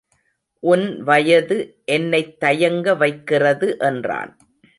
உன் வயது என்னைத் தயங்க வைக்கிறது என்றான்.